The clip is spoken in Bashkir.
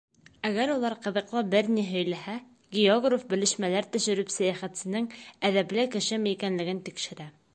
Әгәр улар ҡыҙыҡлы бер ни һөйләһә, географ белешмәләр төшөрөп сәйәхәтсенең әҙәпле кешеме икәнлеген тикшерә.